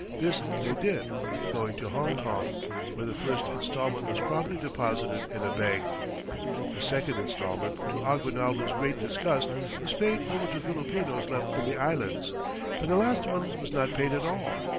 This they did, going to Hongkong, where the first instalment was promptly deposited in a bank. The second instalment, to Aguinaldo's great disgust, was paid over to Filipinos left in the Islands, and the last one was not paid at all.